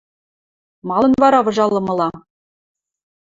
– Малын вара выжалымыла?